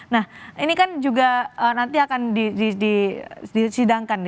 nah ini kan juga nanti akan disidangkan